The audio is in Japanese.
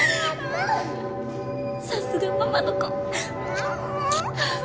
さすがママの子。